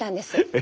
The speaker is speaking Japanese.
え？